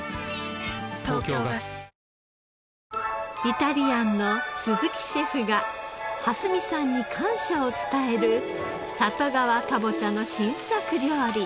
イタリアンの鈴木シェフが荷見さんに感謝を伝える里川かぼちゃの新作料理。